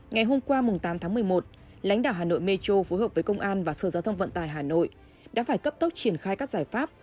ngày hôm qua tám tháng một mươi một lãnh đạo hà nội metro phối hợp với công an và sở giao thông vận tải hà nội đã phải cấp tốc triển khai các giải pháp